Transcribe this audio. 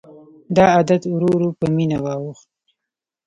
دا عادت ورو ورو په مینه واوښت.